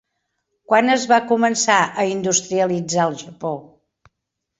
Quan es va començar a industrialitzar el Japó?